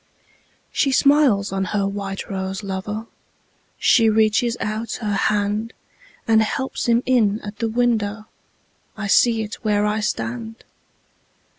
She smiles on her white rose lover, She reaches out her handAnd helps him in at the window—I see it where I stand!